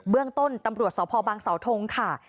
เบื้องต้นตำรวจสาวพอบางสาวทงค่ะ